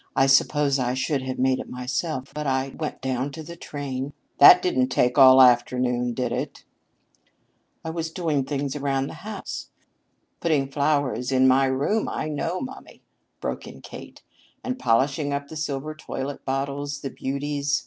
"I suppose I should have made it myself, but I went down to the train " "That didn't take all the afternoon, did it?" the doctor asked. "I was doing things around the house " "Putting flowers in my room, I know, mummy," broke in Kate, "and polishing up the silver toilet bottles, the beauties.